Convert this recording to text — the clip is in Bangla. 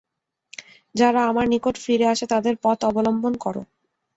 যারা আমার নিকট ফিরে আসে তাদের পথ অবলম্বন কর।